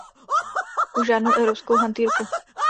Už žádnou evropskou hantýrku.